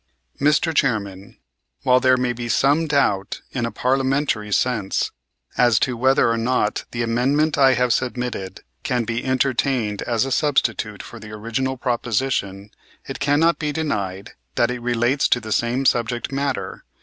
"Mr. Chairman, while there may be some doubt, in a parliamentary sense, as to whether or not the amendment I have submitted can be entertained as a substitute for the original proposition, it cannot be denied that it relates to the same subject matter.